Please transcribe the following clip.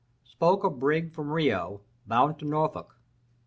Spoke a brig from Rio, bound to Norfolk.